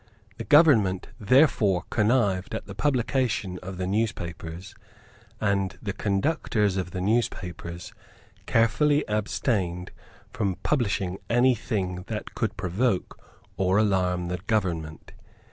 The government therefore connived at the publication of the newspapers; and the conductors of the newspapers carefully abstained from publishing any thing that could provoke or alarm the government.